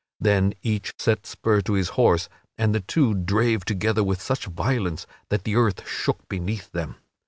Then each set spur to his horse and the two drave together with such violence that the earth shook beneath them.